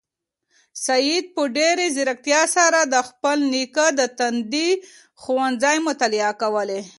سعید په ډېرې ځیرکتیا سره د خپل نیکه د تندي ګونځې مطالعه کولې.